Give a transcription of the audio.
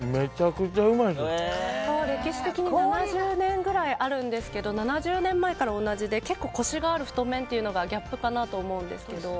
ここは歴史的に７０年ぐらいあるんですけど７０年前から同じで結構、コシがある太麺というのがギャップかなと思うんですけど。